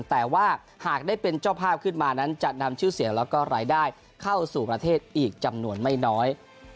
แต่ว่าหากได้เป็นเจ้าภาพขึ้นมานั้นจะนำชื่อเสียงแล้วก็รายได้เข้าสู่ประเทศอีกจำนวนไม่น้อย